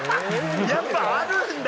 やっぱあるんだ。